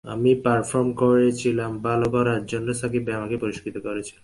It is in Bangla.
আমি পারফর্ম করেছিলাম, ভালো করার জন্য সাকিব ভাই আমাকে পুরস্কৃত করেছিলেন।